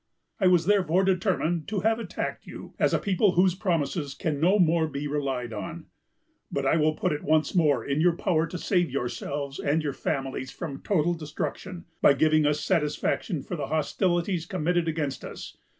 "I was therefore determined to have attacked you, as a people whose promises can no more be relied on. But I will put it once more in your power to save yourselves and your families from total destruction, by giving us satisfaction for the hostilities committed against us.